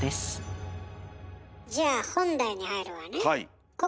じゃあ本題に入るわね。